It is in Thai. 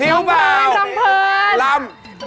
เอวหวานนะเขาเอวหวานนะ